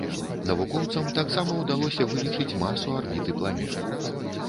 Навукоўцам таксама ўдалося вылічыць масу арбіты планет.